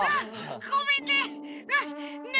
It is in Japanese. ごめんね！